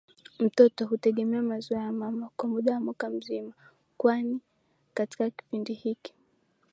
Mtoto hutegemea maziwa ya mama kwa muda wa mwaka mzima kwani katika kipindi hiki